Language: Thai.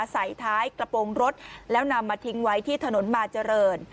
ใส่ท้ายกระโปรงรถแล้วนำมาทิ้งไว้ที่ถนนมาเจริญ